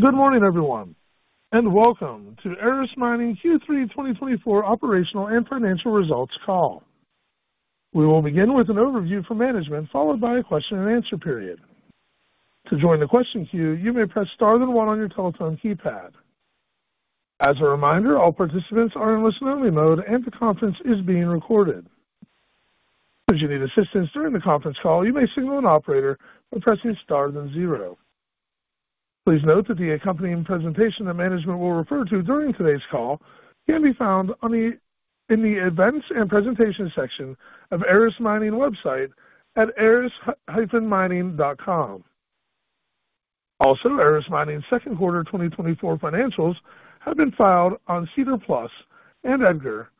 Good morning, everyone, and welcome to Aris Mining Q3 2024 operational and financial results call. We will begin with an overview from management, followed by a question and answer period. To join the question queue, you may press star, then one on your telephone keypad. As a reminder, all participants are in listen-only mode, and the conference is being recorded. If you need assistance during the conference call, you may signal an operator by pressing star, then zero. Please note that the accompanying presentation that management will refer to during today's call can be found in the events and presentations section of Aris Mining website at aris-mining.com. Also, Aris Mining's second quarter 2024 financials have been filed on SEDAR+ and EDGAR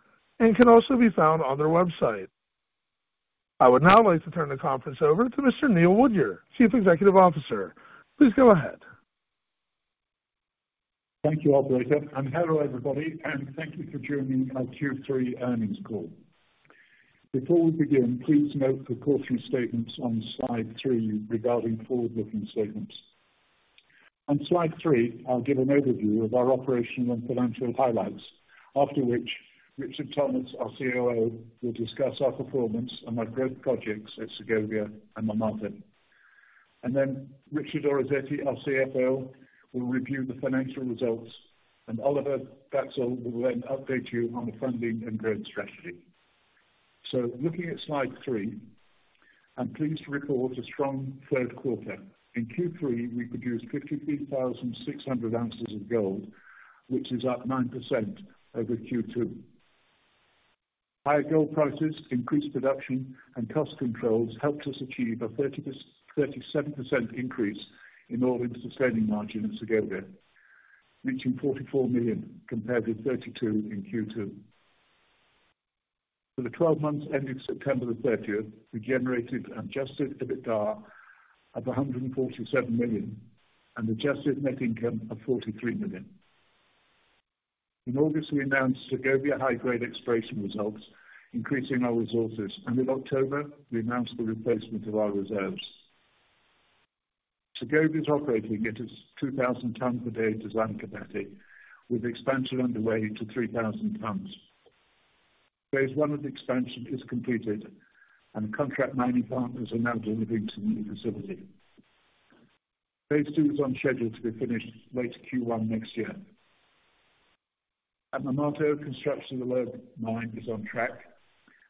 and can also be found on their website. I would now like to turn the conference over to Mr. Neil Woodyer, Chief Executive Officer. Please go ahead. Thank you, Oliver Dachsel. Hello, everybody, and thank you for joining our Q3 earnings call. Before we begin, please note the caution statements on slide three regarding forward-looking statements. On slide three, I'll give an overview of our operational and financial highlights, after which Richard Thomas, our COO, will discuss our performance and our growth projects at Segovia and Marmato. And then Richard Orazietti, our CFO, will review the financial results, and Oliver Dachsel will then update you on the funding and growth strategy. Looking at slide three, we're pleased to report a strong third quarter. In Q3, we produced 53,600 ounces of gold, which is up 9% over Q2. Higher gold prices, increased production, and cost controls helped us achieve a 37% increase in all-in sustaining margin at Segovia, reaching $44 million compared with $32 million in Q2. For the 12 months ending September the 30th, we generated an adjusted EBITDA of $147 million and adjusted net income of $43 million. In August, we announced Segovia high-grade exploration results, increasing our resources, and in October, we announced the replacement of our reserves. Segovia is operating at its 2,000 tons a day design capacity, with expansion underway to 3,000 tons. Phase one of the expansion is completed, and contract mining partners are now delivering to the facility. Phase two is on schedule to be finished late Q1 next year. At Marmato, construction of the lower mine is on track,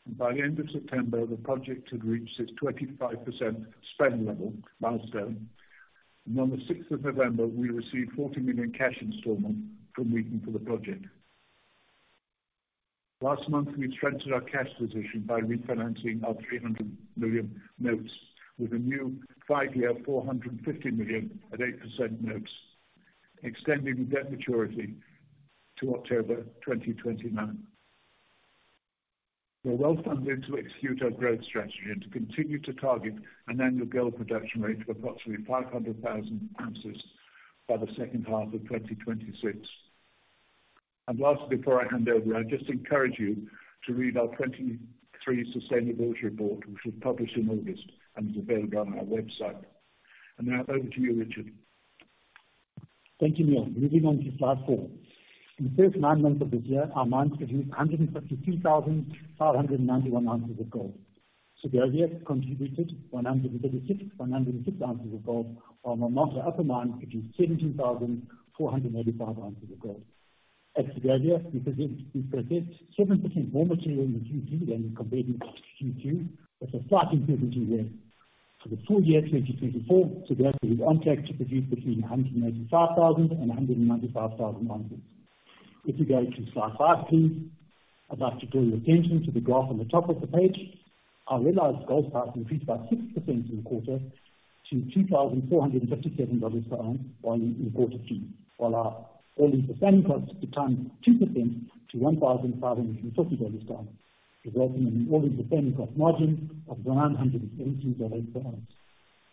and by the end of September, the project had reached its 25% spend level milestone, and on the 6th of November, we received $40 million cash installment from Wheaton for the project. Last month, we strengthened our cash position by refinancing our $300 million notes with a new five-year $450 million 8% notes, extending the debt maturity to October 2029. We're well funded to execute our growth strategy and to continue to target an annual gold production rate of approximately 500,000 ounces by the second half of 2026. And lastly, before I hand over, I just encourage you to read our 2023 sustainability report, which was published in August and is available on our website. And now over to you, Richard. Thank you, Neil. Moving on to slide four. In the first nine months of this year, our mine produced 152,591 ounces of gold. Segovia contributed 136,106 ounces of gold, while Marmato, our upper mine, produced 17,485 ounces of gold. At Segovia, we produced 7% more material in Q3 than we completed Q2, but a slight increase in Q1. For the full year 2024, Segovia was on track to produce between 185,000 and 195,000 ounces. If we go to slide five, please, I'd like to draw your attention to the graph on the top of the page. Our realized gold price increased by 6% in the quarter to $2,457 per ounce in quarter three, while our all-in sustaining costs declined 2% to $1,540 per ounce, resulting in an all-in sustaining cost margin of around $117 per ounce.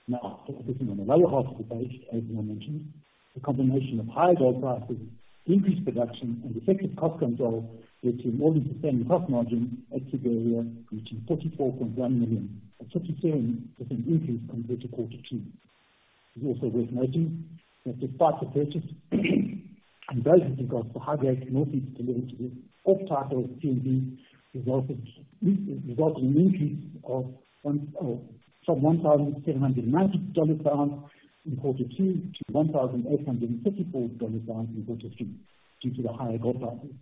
Now, focusing on the lower half of the page, as I mentioned, the combination of higher gold prices, increased production, and effective cost control led to an all-in sustaining cost margin at Segovia reaching $44.1 million, a 37% increase compared to quarter two. It's also worth noting that despite the production and very difficult development of the high-grade Northeast decline to the off-take target CMP, resulting in an increase from $1,790 per ounce in quarter two to $1,854 per ounce in quarter three due to the higher gold prices.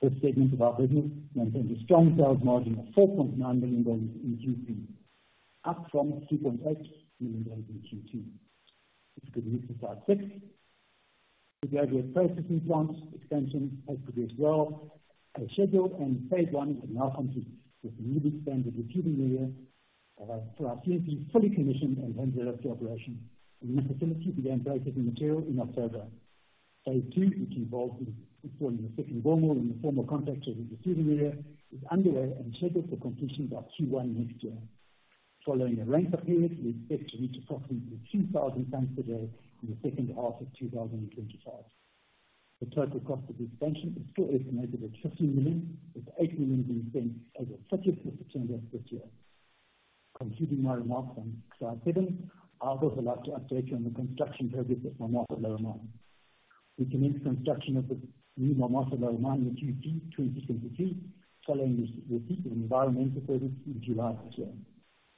This strength of our business maintained a strong sales margin of $4.9 million in Q3, up from $2.8 million in Q2. If we could move to slide six, Segovia's processing plant expansion has progressed well as scheduled, and phase one has now completed, with the new expanded receiving area for our CMP fully commissioned and handed over to operations. The new facility began processing material in October. Phase two, which involves installing a second ball mill in the former complex of the producing area, is underway and scheduled for completion by Q1 next year. Following a ramp-up period, we expect to reach approximately 3,000 tonnes per day in the second half of 2025. The total cost of the expansion is still estimated at $15 million, with $8 million being spent as of 30th of September this year. Concluding my remarks on slide seven, I was allowed to update you on the construction progress of Marmato Lower Mine. We commenced construction of the new Marmato Lower Mine in Q3 2023, following the receipt of environmental license in July this year.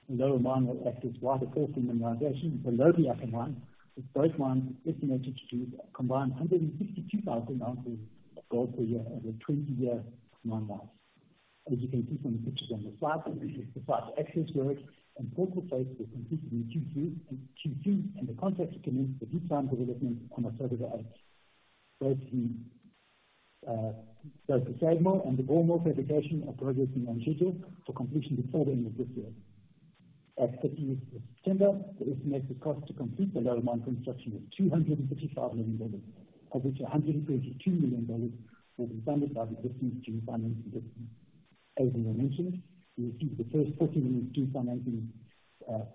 The lower mine will access deeper mineralization below the upper mine, with both mines estimated to combine 162,000 ounces of gold per year over a 20-year mine life. As you can see from the pictures on the slide, the site access works and portal cuts were completed in Q2, and the contracts commenced for detailed development on October 8th. Both the SAG mill and the ball mill fabrication are progressing on schedule for completion by the end of the third quarter of this year. As of September 30th, the estimated cost to complete the lower mine construction is $255 million, of which $132 million will be funded by the existing stream financing. As I mentioned, we received the first $40 million stream financing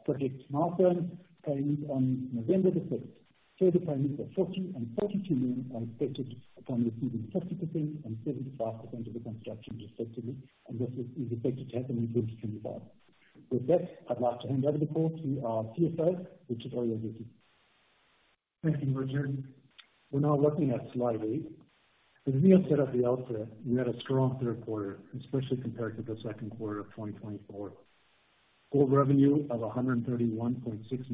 project milestone payment on November 6th. Further payments of $40 million and $42 million are expected upon achieving 30% and 75% of the construction respectively, and this is expected to happen in 2025. With that, I'd like to hand over the call to our CFO, Richard Orazietti. Thank you, Richard. We're now looking at slide eight. To state at the outset, we had a strong third quarter, especially compared to the second quarter of 2024. Gold revenue of $131.6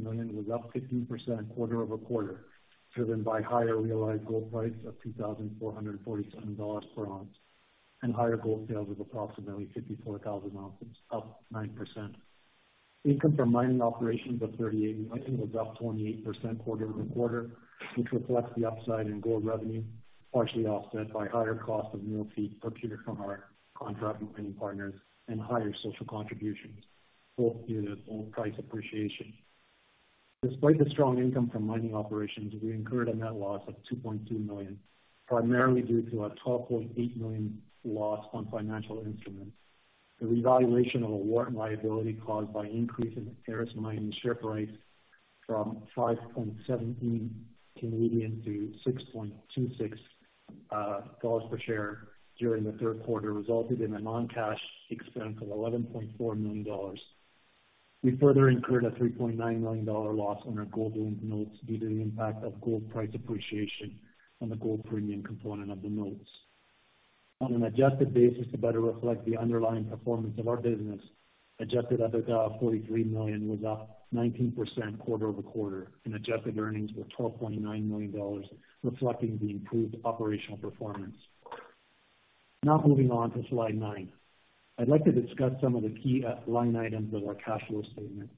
million was up 15% quarter over quarter, driven by higher realized gold price of $2,447 per ounce and higher gold sales of approximately 54,000 ounces, up 9%. Income from mining operations of $38 million was up 28% quarter over quarter, which reflects the upside in gold revenue, partially offset by higher cost of mill feed procured from our contract mining partners and higher social contributions, both due to gold price appreciation. Despite the strong income from mining operations, we incurred a net loss of $2.2 million, primarily due to a $12.8 million loss on financial instruments. The revaluation of a warrant liability caused by increases in Aris Mining's share price from C$5.7 to C$6.26 per share during the third quarter resulted in a non-cash expense of $11.4 million. We further incurred a $3.9 million loss on our gold loan notes due to the impact of gold price appreciation on the gold premium component of the notes. On an adjusted basis to better reflect the underlying performance of our business, adjusted EBITDA of $43 million was up 19% quarter over quarter, and adjusted earnings were $12.9 million, reflecting the improved operational performance. Now moving on to slide nine, I'd like to discuss some of the key line items of our cash flow statement.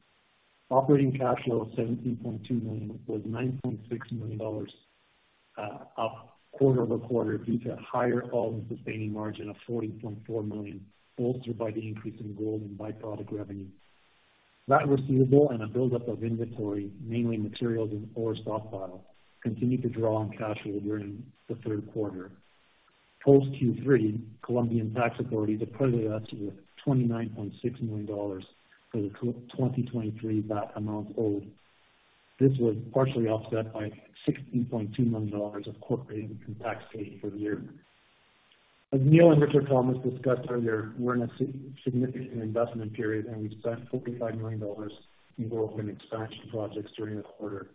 Operating cash flow of $17.2 million was $9.6 million up quarter over quarter due to a higher all-in sustaining margin of $40.4 million, bolstered by the increase in gold and byproduct revenue. VAT receivable and a buildup of inventory, mainly materials and ore stockpiles, continued to draw on cash flow during the third quarter. Post Q3, Colombian tax authorities assessed us with $29.6 million for the 2023 VAT amount owed. This was partially offset by $16.2 million of corporate income tax paid for the year. As Neil and Richard Thomas discussed earlier, we're in a significant investment period, and we spent $45 million in growth and expansion projects during the quarter,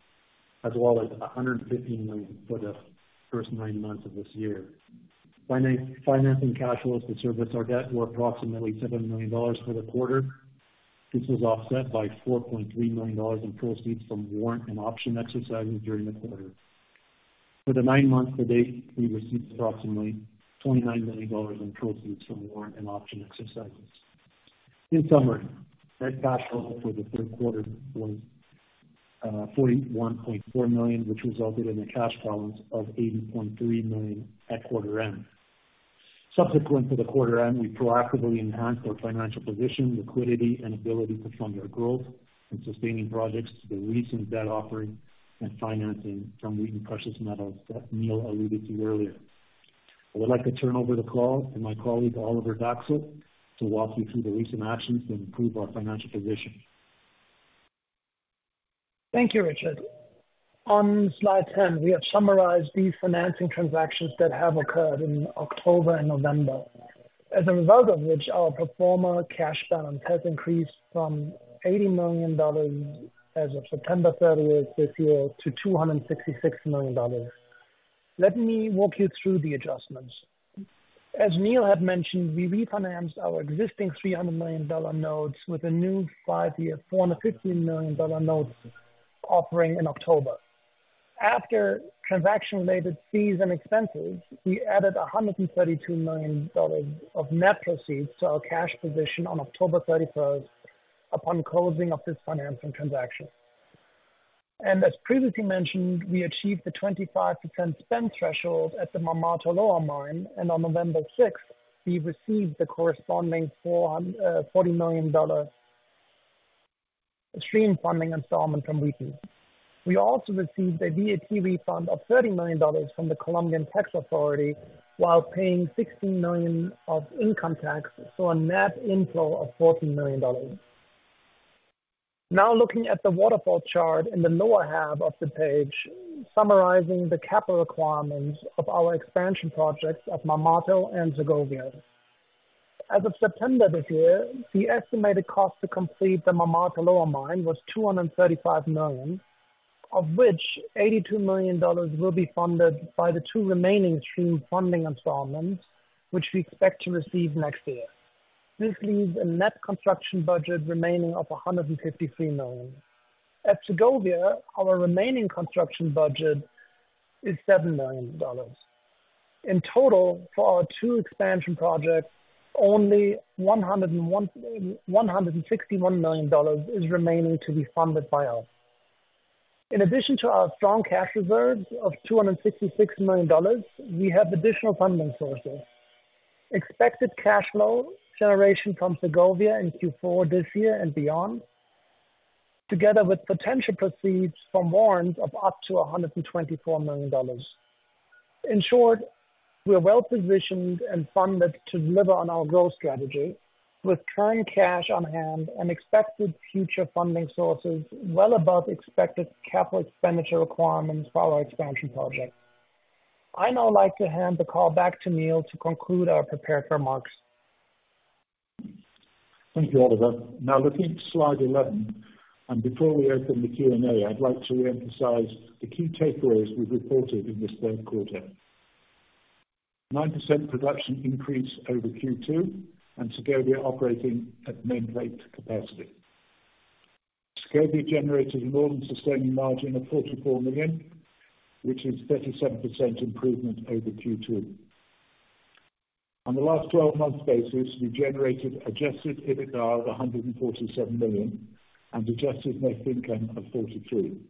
as well as $115 million for the first nine months of this year. Financing cash flows to service our debt were approximately $7 million for the quarter. This was offset by $4.3 million in proceeds from warrant and option exercises during the quarter. For the nine months to date, we received approximately $29 million in proceeds from warrant and option exercises. In summary, net cash flow for the third quarter was $41.4 million, which resulted in a cash balance of $80.3 million at quarter end. Subsequent to the quarter end, we proactively enhanced our financial position, liquidity, and ability to fund our growth and sustaining projects through the recent debt offering and financing from Wheaton Precious Metals that Neil alluded to earlier. I would like to turn over the call to my colleague, Oliver Dachsel, to walk you through the recent actions to improve our financial position. Thank you, Richard. On slide 10, we have summarized these financing transactions that have occurred in October and November, as a result of which our pro forma cash balance has increased from $80 million as of September 30th this year to $266 million. Let me walk you through the adjustments. As Neil had mentioned, we refinanced our existing $300 million notes with a new five-year $450 million notes offering in October. After transaction-related fees and expenses, we added $132 million of net proceeds to our cash position on October 31st upon closing of this financing transaction. As previously mentioned, we achieved the 25% spend threshold at the Marmato Lower Mine, and on November 6th, we received the corresponding $40 million stream funding installment from Wheaton. We also received a VAT refund of $30 million from the Colombian Tax Authority while paying $16 million of income tax, so a net inflow of $14 million. Now looking at the waterfall chart in the lower half of the page, summarizing the capital requirements of our expansion projects at Marmato and Segovia. As of September this year, the estimated cost to complete the Marmato Lower Mine was $235 million, of which $82 million will be funded by the two remaining stream funding installments, which we expect to receive next year. This leaves a net construction budget remaining of $153 million. At Segovia, our remaining construction budget is $7 million. In total, for our two expansion projects, only $161 million is remaining to be funded by us. In addition to our strong cash reserves of $266 million, we have additional funding sources: expected cash flow generation from Segovia in Q4 this year and beyond, together with potential proceeds from warrants of up to $124 million. In short, we're well positioned and funded to deliver on our growth strategy, with current cash on hand and expected future funding sources well above expected capital expenditure requirements for our expansion projects. I now like to hand the call back to Neil to conclude our prepared remarks. Thank you, Oliver. Now looking at slide 11, and before we open the Q&A, I'd like to emphasize the key takeaways we've reported in this third quarter: 9% production increase over Q2, and Segovia operating at nameplate capacity. Segovia generated an all-in sustaining margin of $44 million, which is 37% improvement over Q2. On the last 12-month basis, we generated Adjusted EBITDA of $147 million and Adjusted Net Income of $43 million,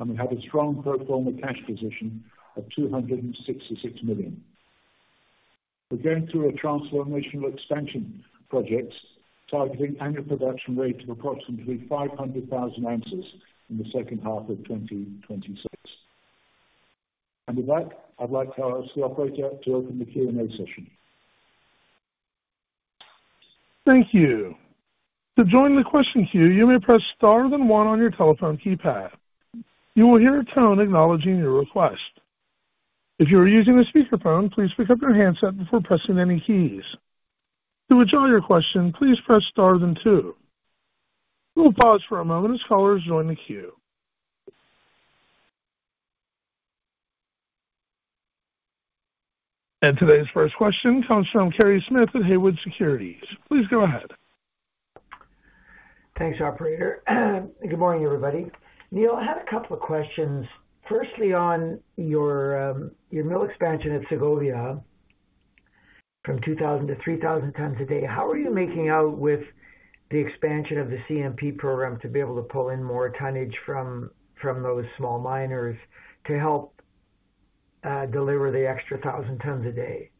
and we had a strong pro forma cash position of $266 million. We're going through a transformational expansion project targeting annual production rate of approximately 500,000 ounces in the second half of 2026. And with that, I'd like to ask the operator to open the Q&A session. Thank you. To join the question queue, you may press star then one on your telephone keypad. You will hear a tone acknowledging your request. If you are using a speakerphone, please pick up your handset before pressing any keys. To withdraw your question, please press star then two. We will pause for a moment as callers join the queue. And today's first question comes from Kerry Smith at Haywood Securities. Please go ahead. Thanks, operator. Good morning, everybody. Neil, I had a couple of questions. Firstly, on your mill expansion at Segovia from 2,000 to 3,000 tons a day, how are you making out with the expansion of the CMP program to be able to pull in more tonnage from those small miners to help deliver the extra 1,000 tons a day?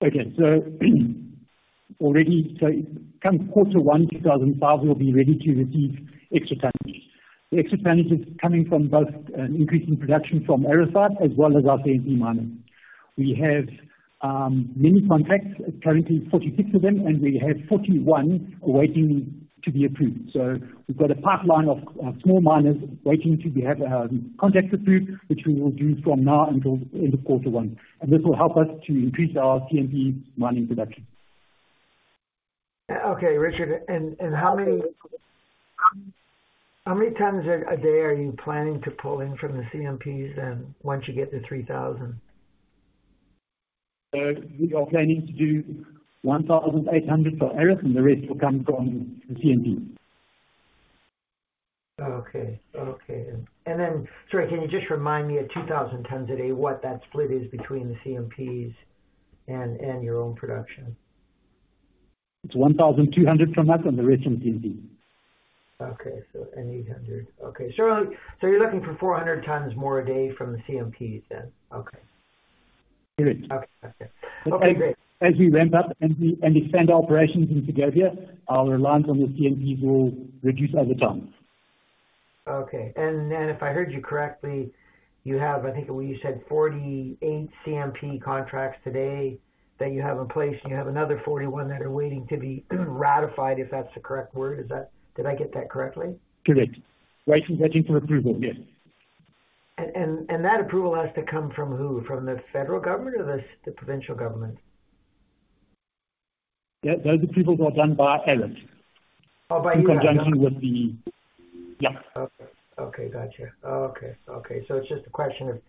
Okay. So already, so come quarter one, 2025, we'll be ready to receive extra tonnage. The extra tonnage is coming from both an increase in production from artisanal as well as our CMP miners. We have many contracts, currently 46 of them, and we have 41 waiting to be approved. So we've got a pipeline of small miners waiting to have contracts approved, which we will do from now until end of quarter one. And this will help us to increase our CMP mining production. Okay, Richard, and how many tons a day are you planning to pull in from the CMPs once you get to 3,000? We are planning to do 1,800 for Aris, and the rest will come from the CMP. Okay. And then, sorry, can you just remind me of 2,000 tons a day, what that split is between the CMPs and your own production? It's 1,200 from that and the rest from CMP. Okay. So 800. Okay. So you're looking for 400 tons more a day from the CMPs then. Okay. Correct. Okay. Okay. Great. As we ramp up and expand our operations in Segovia, our lines on the CMPs will reduce over time. Okay. And then, if I heard you correctly, you have, I think you said 48 CMP contracts today that you have in place, and you have another 41 that are waiting to be ratified, if that's the correct word. Did I get that correctly? Correct. Waiting for approval, yes. That approval has to come from who? From the federal government or the provincial government? Those approvals are done by Aris. Oh, by you? In conjunction with the. Yeah. Okay. Gotcha. So it's just a question of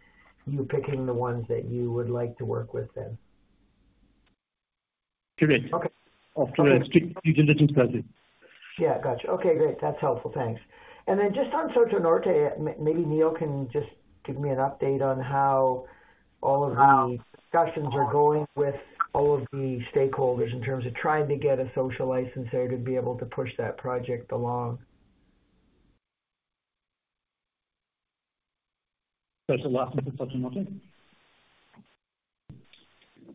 you picking the ones that you would like to work with then. Correct. Okay. For strict due diligence purposes. Yeah. Gotcha. Okay. Great. That's helpful. Thanks. And then just on Soto Norte, maybe Neil can just give me an update on how all of the discussions are going with all of the stakeholders in terms of trying to get a social license there to be able to push that project along. Thanks a lot, Mr. Smith. On Soto Norte.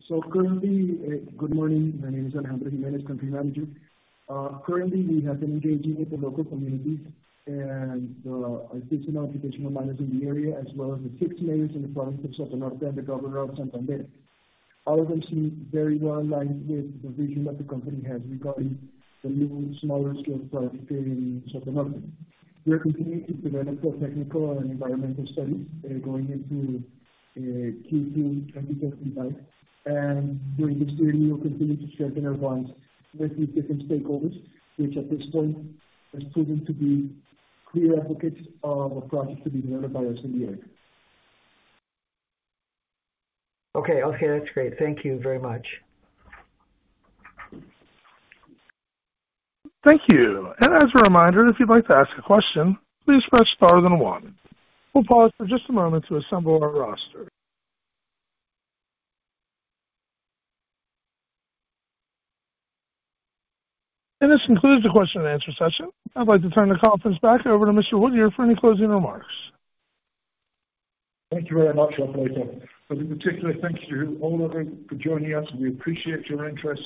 So currently, good morning. My name is Alejandro Jiménez, Country Manager. Currently, we have been engaging with the local communities, and I've been in the artisanal miners in the area, as well as the six mayors in the province of Soto Norte and the governor of Santander. All of them seem very well aligned with the vision that the company has regarding the new small-scale project in Soto Norte. We are continuing to develop the technical and environmental studies going into Q2 2025. And during this period, we will continue to strengthen our bonds with these different stakeholders, which at this point has proven to be clear advocates of a project to be developed by us in the area. Okay. Okay. That's great. Thank you very much. Thank you. And as a reminder, if you'd like to ask a question, please press star, then one. We'll pause for just a moment to assemble our roster. And this concludes the question-and-answer session. I'd like to turn the conference back over to Mr. Woodyer for any closing remarks. Thank you very much, operator. But in particular, thank you to all of you for joining us. We appreciate your interest.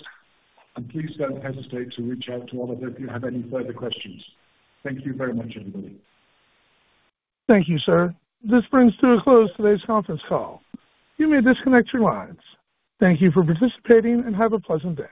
And please don't hesitate to reach out to Oliver if you have any further questions. Thank you very much, everybody. Thank you, sir. This brings to a close today's conference call. You may disconnect your lines. Thank you for participating and have a pleasant day.